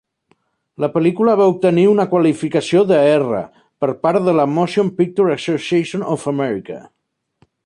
La pel·lícula va obtenir una qualificació de "R" per part de la Motion Picture Association of America.